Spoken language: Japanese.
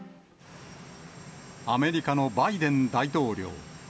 アメリカのバイデン大統領。